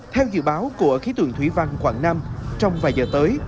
theo dự báo của khí tượng thủy văn quảng nam trong vài giờ tới